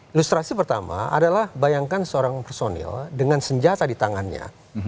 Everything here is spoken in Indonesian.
ilustrasi pertama adalah bayangkan seorang personil dengan senjata di tangannya